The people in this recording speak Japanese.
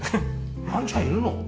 ワンちゃんいるの？